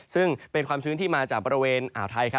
ซึ่งเป็นความชื้นที่มาจากบริเวณอ่าวไทย